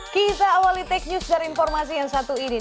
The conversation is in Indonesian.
kita awali tech news dari informasi yang satu ini